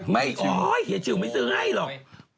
ไม่โอ๊ยฮีเอชิลไม่ซื้อให้หรอก